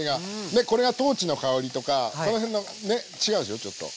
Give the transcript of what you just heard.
ねこれが豆の香りとかこの辺のね違うでしょうちょっと。